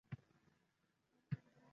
Pit-chi, u qayerda? – soʻradim men.